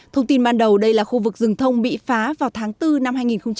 thông tin ban đầu đây là khu vực rừng thông bị phá vào tháng bốn năm hai nghìn một mươi chín